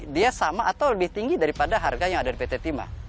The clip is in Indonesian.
dia sama atau lebih tinggi daripada harga yang ada di pt timah